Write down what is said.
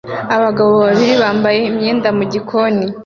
Abagabo babiri bambaye imyenda mu gikoni